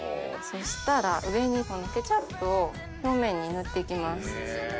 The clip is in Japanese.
そしたら上にケチャップを表面に塗って行きます。